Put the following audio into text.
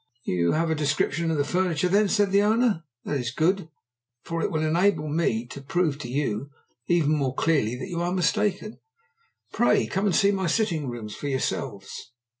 "You have a description of the furniture, then?" said the owner. "That is good, for it will enable me to prove to you even more clearly that you are mistaken. Pray come and see my sitting rooms for yourselves."